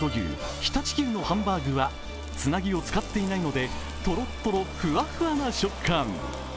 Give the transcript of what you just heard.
常陸牛のハンバーグはつなぎを使っていないのでとろっとろ、ふわふわな食感。